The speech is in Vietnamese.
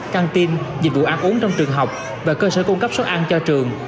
canteen dịch vụ ăn uống trong trường học và cơ sở cung cấp xuất ăn cho trường